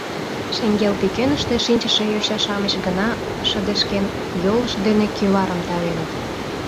Шеҥгел пӱкеныште шинчыше йоча-шамыч гына шыдешкен, йолышт дене кӱварым тавеныт: